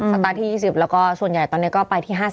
ตาร์ทที่๒๐แล้วก็ส่วนใหญ่ตอนนี้ก็ไปที่๕๐